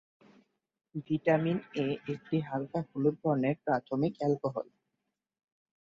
Vitamin A একটি হালকা হলুদ বর্ণের প্রাথমিক অ্যালকোহল।